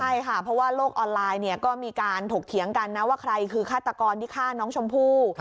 ใช่ค่ะเพราะว่าโลกออนไลน์เนี่ยก็มีการถกเถียงกันนะว่าใครคือฆาตกรที่ฆ่าน้องชมพู่